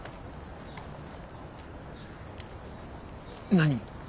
何？